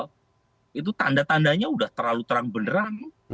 komunikasi non verbal itu tanda tandanya sudah terlalu terang beneran